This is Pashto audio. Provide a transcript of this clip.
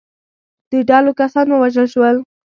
د ډلو کسان ووژل شول.